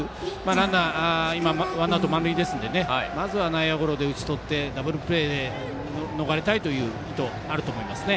ランナー、今ワンアウト、満塁ですのでまずは内野ゴロで打ち取ってダブルプレーで逃れたいという意図あると思いますね。